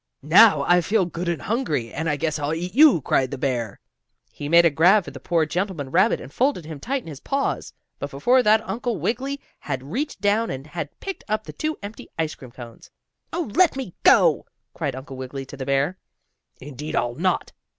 "Now I feel good and hungry, and I guess I'll eat you," cried the bear. He made a grab for the poor gentleman rabbit, and folded him tight in his paws. But before that Uncle Wiggily had reached down and had picked up the two empty ice cream cones. "Oh, let me go!" cried Uncle Wiggily to the bear. "Indeed I'll not!"